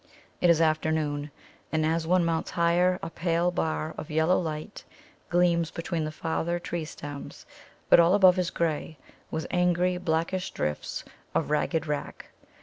It is afternoon, and as one mounts higher a pale bar of yellow light gleams between the farther tree stems, but all above is grey, with angry, blackish drifts of ragged wrack.